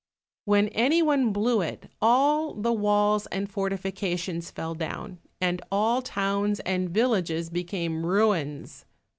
When any one blew it all the walls and fortifications fell down, and all towns and villages became ruins.